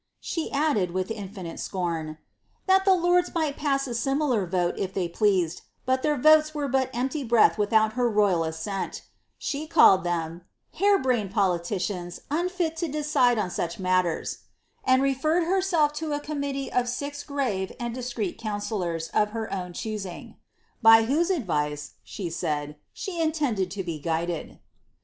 She added, with infinite sconi, ^^ that the lords might pass a similar vote if they pleased, but their votes were but empty breath without her royal assent" She called them ^ hair brained poli ticians, unfit to decide on such matters," and referred herself to a com«* aitiee of six grave and discreet councillors of her own choosing, ^ by whose advice," she said, ^^ she intended to be guided."'